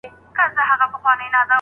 آیا سردردي د غاښ تر درد عامه ده؟